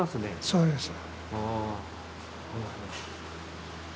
そうです。